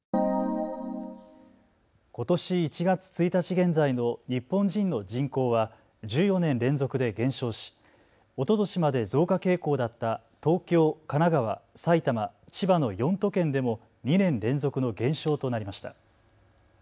ことし１月１日現在の日本人の人口は１４年連続で減少しおととしまで増加傾向だった東京、神奈川、埼玉、千葉の４都県でも２年連続の減少となりました。